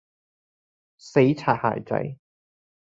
死擦鞋仔